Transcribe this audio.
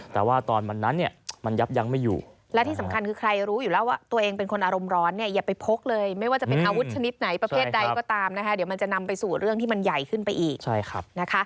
แต่ว่าตอนวันนั้นเนี่ยมันยับยังไม่อยู่